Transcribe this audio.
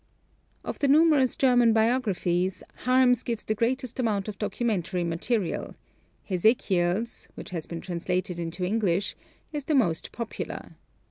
Of the numerous German biographies, Harm's gives the greatest amount of documentary material; Hesekiel's (which has been translated into English) is the most popular.